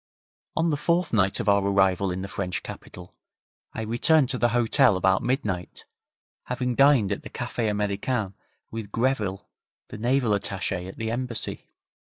On the fourth night of our arrival in the French capital I returned to the hotel about midnight, having dined at the Café Americain with Greville, the naval attaché at the Embassy.